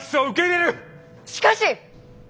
しかし！